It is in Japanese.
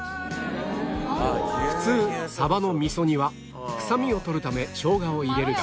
普通サバの味噌煮は臭みを取るためショウガを入れるが